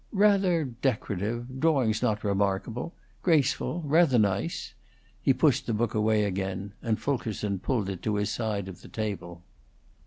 "Rather decorative. Drawing's not remarkable. Graceful; rather nice." He pushed the book away again, and Fulkerson pulled it to his aide of the table.